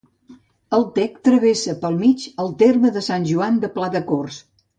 El Tec travessa pel mig el terme de Sant Joan de Pladecorts.